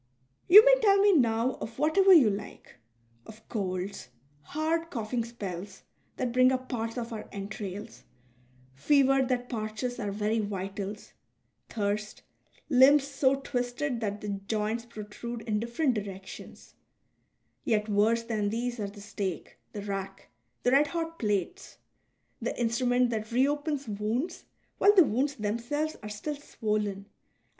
You may tell me now of whatever you like — of colds, hard coughing spells that bring up parts of our entrails, fever that parches our very vitals, thirst, limbs so twisted that the joints protrude in different dii'ections ; yet worse than these are the stake, the rack, the red hot plates, the instrument that reopens wounds while the wounds themselves are still swollen VOL.